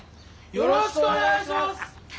よろしくお願いします！